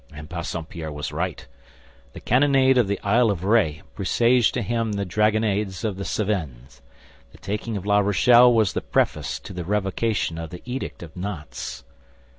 And Bassompierre was right. The cannonade of the Isle of Ré presaged to him the dragonnades of the Cévennes; the taking of La Rochelle was the preface to the revocation of the Edict of Nantes.